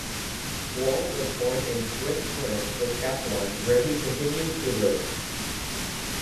Wall was born in Swift Current, Saskatchewan, where he continues to live.